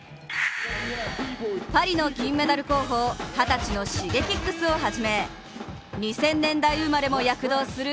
パリの金メダル候補、二十歳のＳｈｉｇｅｋｉｘをはじめ、２０００年代生まれも躍動する